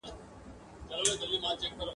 په اذان به یې وګړي روژه نه سي ماتولای !.